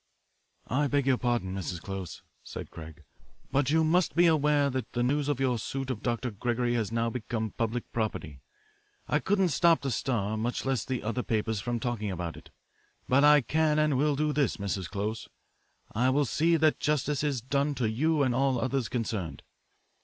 "I beg your pardon, Mrs. Close," said Craig, "but you must be aware that the news of your suit of Dr. Gregory has now become public property. I couldn't stop the Star, much less the other papers, from talking about it. But I can and will do this, Mrs. Close. I will see that justice is done to you and all others concerned.